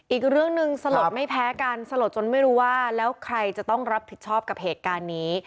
อีกเรื่องหนึ่งสลดไม่แพ้กันสลดจนไม่รู้ว่าแล้วใครจะต้องรับผิดชอบกับเหตุการณ์นี้